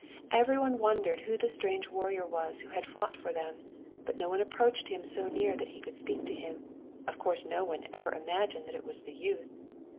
Every one wondered who the stranger warrior was who had fought for them; but no one approached him so near that he could speak to him: of course no one ever imagined that it was the youth.